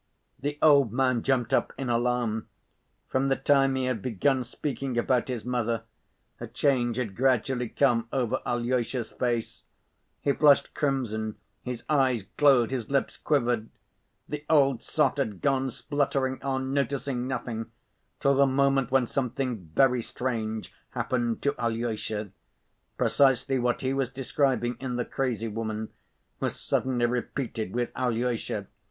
The old man jumped up in alarm. From the time he had begun speaking about his mother, a change had gradually come over Alyosha's face. He flushed crimson, his eyes glowed, his lips quivered. The old sot had gone spluttering on, noticing nothing, till the moment when something very strange happened to Alyosha. Precisely what he was describing in the crazy woman was suddenly repeated with Alyosha.